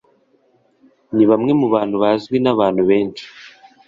ni bamwe mu bantu bazwi n'abantu benshi